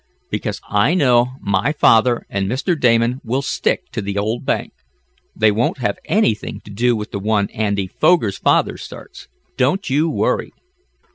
"Because I know my father and Mr. Damon will stick to the old bank. They won't have anything to do with the one Andy Foger's father starts. Don't you worry."